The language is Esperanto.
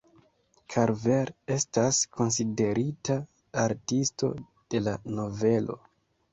Karver estas konsiderita artisto de la novelo.